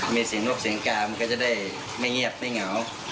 มีเสียงนกเสียงกามันก็จะได้ไม่เงียบไม่เหงา